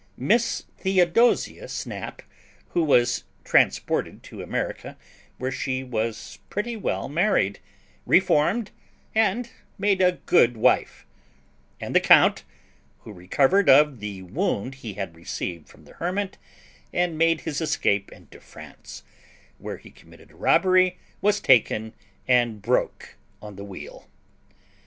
Miss Theodosia Snap, who was transported to America, where she was pretty well married, reformed, and made a good wife; and the count, who recovered of the wound he had received from the hermit and made his escape into France, where he committed a robbery, was taken, and broke on the wheel.